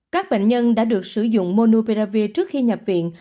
các bệnh nhân đã được sử dụng monuperavir trước khi nhập viện